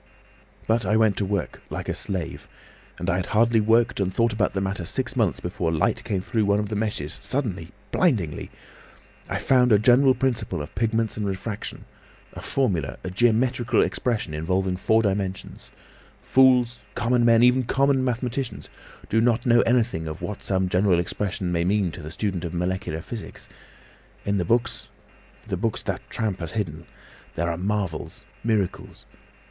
"But I went to work—like a slave. And I had hardly worked and thought about the matter six months before light came through one of the meshes suddenly—blindingly! I found a general principle of pigments and refraction—a formula, a geometrical expression involving four dimensions. Fools, common men, even common mathematicians, do not know anything of what some general expression may mean to the student of molecular physics. In the books—the books that tramp has hidden—there are marvels, miracles!